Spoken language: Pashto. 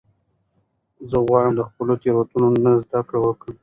زه غواړم د خپلو تیروتنو نه زده کړه وکړم.